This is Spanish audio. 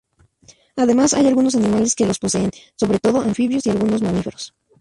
Además, hay algunos animales que los poseen, sobre todo anfibios y algunos mamíferos.